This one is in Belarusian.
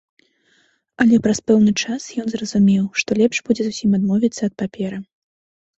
Але праз пэўны час ён зразумеў, што лепш будзе зусім адмовіцца ад паперы.